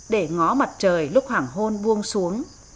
để ngó mặt trời lúc hoàng hôn buông xuống